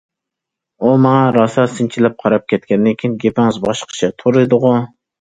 ئۇ ماڭا راسا سىنچىلاپ قاراپ كەتكەندىن كېيىن:‹‹ گېپىڭىز باشقىچە تۇرىدىغۇ››!